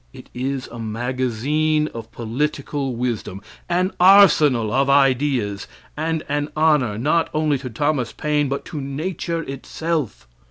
It is a magazine of political wisdom, an arsenal of ideas, and an honor not only to Thomas Paine, but to nature itself.